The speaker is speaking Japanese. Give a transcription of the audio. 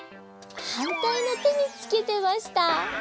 はんたいのてにつけてました。